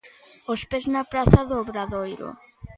Os pés, na praza do Obradoiro.